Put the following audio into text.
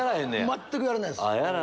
全くやらないっす。